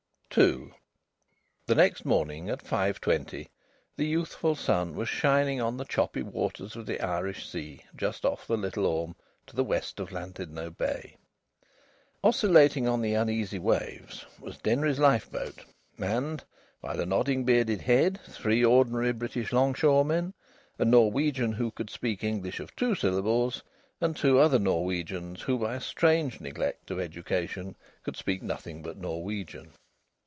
II The next morning at 5.20 the youthful sun was shining on the choppy water of the Irish Sea, just off the Little Orme, to the west of Llandudno Bay. Oscillating on the uneasy waves was Denry's lifeboat, manned by the nodding bearded head, three ordinary British longshoremen, a Norwegian who could speak English of two syllables, and two other Norwegians who by a strange neglect of education could speak nothing but Norwegian.